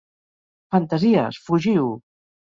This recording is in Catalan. Fantasies, fugiu!